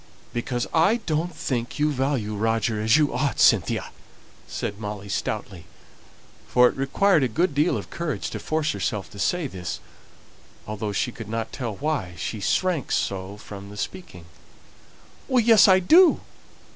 "Because I don't think you value Roger as you ought, Cynthia!" said Molly stoutly, for it required a good deal of courage to force herself to say this, although she could not tell why she shrank so from speaking. "Yes, I do!